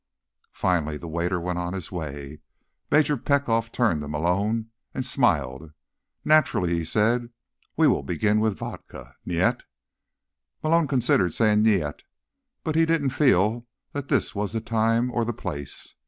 Finally the waiter went on his way. Major Petkoff turned to Malone and smiled. "Naturally," he said, "we will begin with vodka, nyet?" Malone considered saying nyet, but he didn't feel that this was the time or the place.